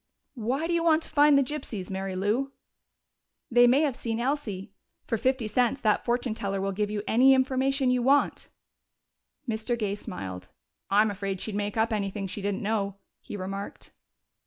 "Why do you want to find the gypsies, Mary Lou?" "They may have seen Elsie. For fifty cents that fortune teller will give you any information you want." Mr. Gay smiled. "I'm afraid she'd make up anything she didn't know," he remarked.